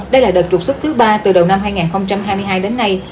đây là đợt trục xuất thứ ba từ đầu năm hai nghìn hai mươi hai đến nay